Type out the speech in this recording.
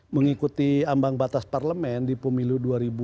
mengikuti ambang batas parlemen di pemilu dua ribu dua puluh